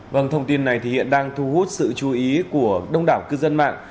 vâng thông tin này thì hiện đang thu hút sự chú ý của đông đảo cư dân mạng